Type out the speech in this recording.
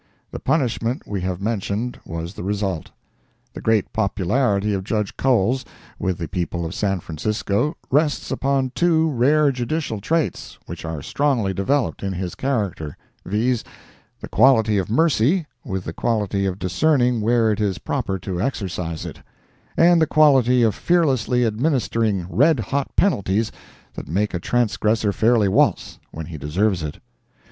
The punishment we have mentioned was the result. The great popularity of Judge Cowles with the people of San Francisco rests upon two rare judicial traits, which are strongly developed in his character, viz: The quality of mercy, with the quality of discerning where it is proper to exercise it; and the quality of fearlessly administering red hot penalties that make a transgressor fairly waltz, when he deserves it.